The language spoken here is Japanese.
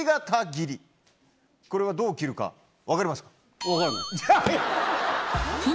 これはどう切るか分かりますか？